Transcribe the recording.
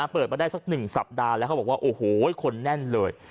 เปิดมาได้สัก๑สัปดาห์แล้วเขาบอกว่าโอ้โหคนแน่นเลย